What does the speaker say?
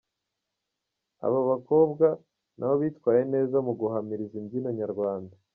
Abo bakobwa nabo bitwaye neza mu guhamiriza imbyino Nyarwanda.